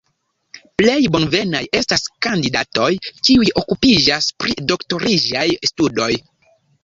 Plej bonvenaj estas kandidatoj, kiuj okupiĝas pri doktoriĝaj studoj.